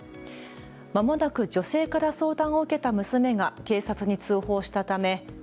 まもなく女性から相談を受けた娘が警察に通報したため。